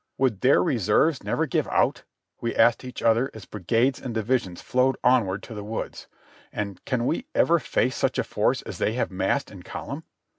"Would their reserves never give out?" we asked each other as brigades and divisions flowed onward to the woods; and "Can we ever face such a force as they have massed in column